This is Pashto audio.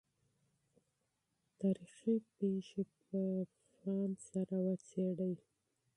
تاریخي جریانات په دقت سره وڅېړئ.